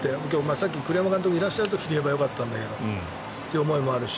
さっき栗山監督がいらっしゃった時に言えばよかったんだけどっていう思いもあるし